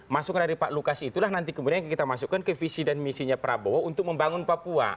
masukan dari pak lukas itulah nanti kemudian kita masukkan ke visi dan misinya prabowo untuk membangun papua